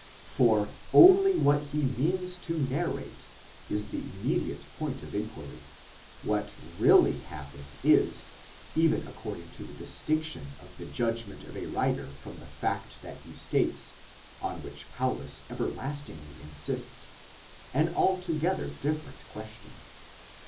For only what he means to narrate is the immediate point of inquiry ; what really happened is, even according to the distinction of the judgment of a writer from the fact that he states, on which Paulus everlastingly insists, an altogether different question.